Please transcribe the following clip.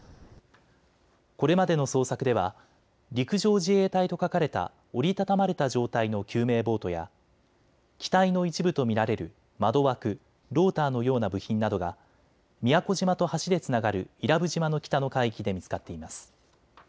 これまでの捜索では陸上自衛隊と書かれた折り畳まれた状態の救命ボートや機体の一部と見られる窓枠、ローターのような部品などが宮古島と橋でつながる伊良部島の北の海域で見つかっています。